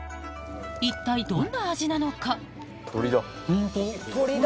一体どんな味なのか？